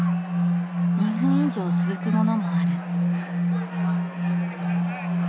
２分以上続くものもある。